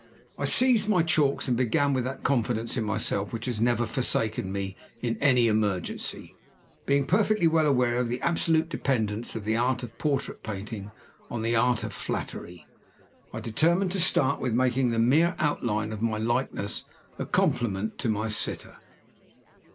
I seized my chalks and began with that confidence in myself which has never forsaken me in any emergency. Being perfectly well aware of the absolute dependence of the art of portrait painting on the art of flattery, I determined to start with making the mere outline of my likeness a compliment to my sitter.